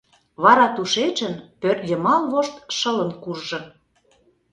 Вара тушечын пӧртйымал вошт шылын куржын.